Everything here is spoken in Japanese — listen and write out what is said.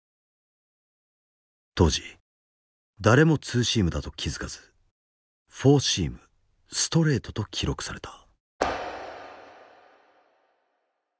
当時誰もツーシームだと気付かずフォーシームストレートと記録された。